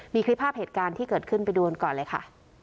มีคลิปภาพเหตุการณ์ที่เกิดขึ้นไปดูกันก่อนเลยค่ะ